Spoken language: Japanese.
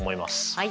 はい。